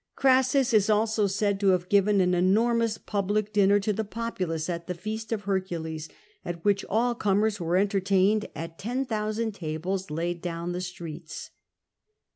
Grassus is also said to have given an enormous public dinner to the populace at the feast of Hercules, at which all comers were entertained at ten thousand tables laid down the streets.